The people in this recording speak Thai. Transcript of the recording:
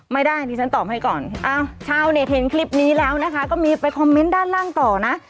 ไม่ได้นี่ฉันตอบให้ก่อน